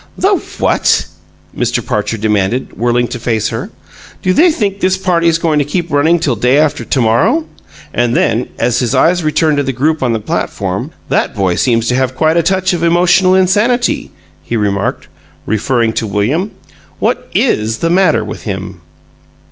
"The what?" Mr. Parcher demanded, whirling to face her. "Do they think this party's going to keep running till day after to morrow?" And then, as his eyes returned to the group on the platform, "That boy seems to have quite a touch of emotional insanity," he remarked, referring to William. "What IS the matter with him?"